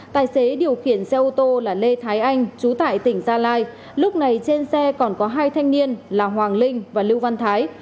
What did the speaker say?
tài xế điều khiển xe ô tô là lê thái anh trú tại tỉnh gia lai lúc này trên xe còn có hai thanh niên là hoàng linh và lưu văn thái